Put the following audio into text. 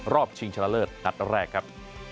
ชิงชนะเลิศนัดแรกครับ